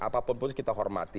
apapun pun kita hormati